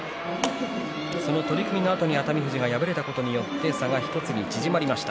その取組のあとに熱海富士が敗れたことによって差が１つに縮まりました。